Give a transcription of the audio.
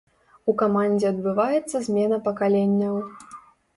У камандзе адбываецца змена пакаленняў.